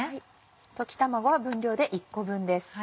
溶き卵は分量で１個分です。